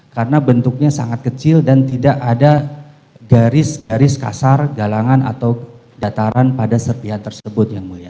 karena bentuknya sangat kecil dan tidak ada garis garis kasar galangan atau dataran pada serpihan tersebut yang mulia